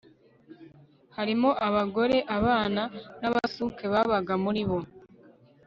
harimo abagore, abana n'abasuhuke babaga muri bo